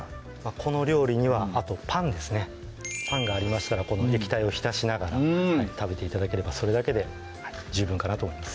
この料理にはあとパンですねパンがありましたらこの液体を浸しながら食べて頂ければそれだけで十分かなと思います